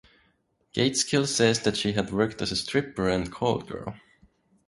Gaitskill says that she had worked as a stripper and call girl.